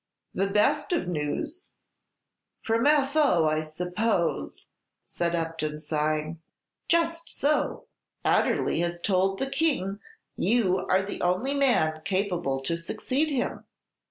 "The best of news." "From F. O., I suppose," said Upton, sighing. "Just so. Adderley has told the King you are the only man capable to succeed him.